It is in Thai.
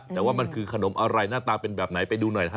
แต่ว่ามันคือขนมอะไรหน้าตาเป็นแบบไหนไปดูหน่อยนะฮะ